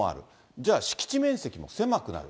じゃあ、敷地面積も狭くなる。